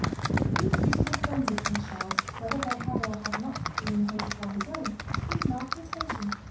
He treated the friends of Prince Charles, whether they had or had not been heretofore his own, with marked attention.